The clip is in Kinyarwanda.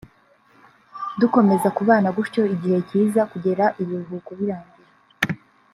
dukomeza kubana gutyo igihe kiza kugera ibiruhuko birarangira